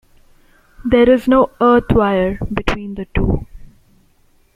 There is no 'earth wire' between the two.